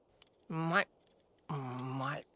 うーまい。